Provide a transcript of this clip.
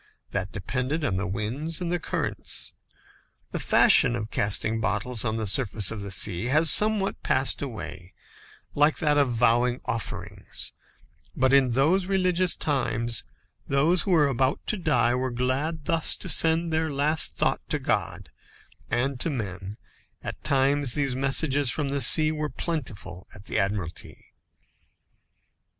That depended on the winds and the currents. The fashion of casting bottles on the surface of the sea has somewhat passed away, like that of vowing offerings, but in those religious times, those who were about to die were glad thus to send their last thought to God and to men, and at times these messages from the sea were plentiful at the Admiralty.